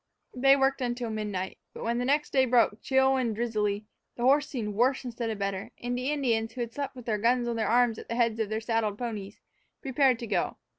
They worked until midnight. But when the next day broke, chill and drizzily, the horse seemed worse instead of better, and the Indians, who had slept with their guns on their arms at the heads of their saddled ponies, prepared to go.